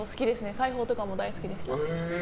裁縫とかも大好きでした。